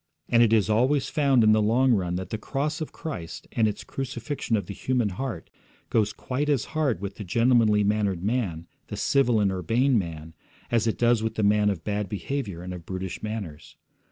And it is always found in the long run that the cross of Christ and its crucifixion of the human heart goes quite as hard with the gentlemanly mannered man, the civil and urbane man, as it does with the man of bad behaviour and of brutish manners.